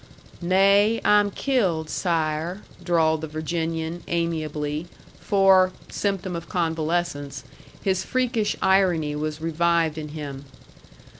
"'Nay, I'm killed, sire,'" drawled the Virginian, amiably; for (symptom of convalescence) his freakish irony was revived in him.